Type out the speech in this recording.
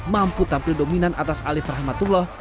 mampu tampil dominan atas alif rahmatullah